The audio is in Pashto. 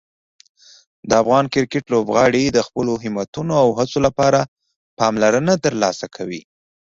د افغان کرکټ لوبغاړي د خپلو همتونو او هڅو لپاره پاملرنه ترلاسه کوي.